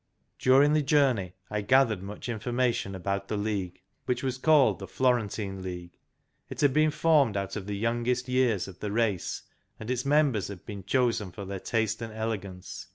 During the journey I gathered much information about the League, which was called the Florentine League. It had been formed out of the youngest " years " of the race, and its members had been chosen for their taste and elegance.